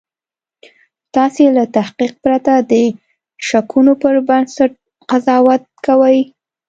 تاسې له تحقیق پرته د شکونو پر بنسټ قضاوت کوئ